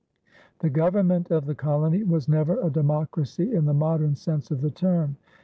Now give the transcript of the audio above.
The government of the colony was never a democracy in the modern sense of the term.